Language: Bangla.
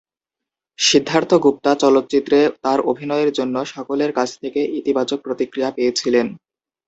সিদ্ধার্থ গুপ্তা চলচ্চিত্রে তার অভিনয়ের জন্য সকলের কাছ থেকে ইতিবাচক প্রতিক্রিয়া পেয়েছিলেন।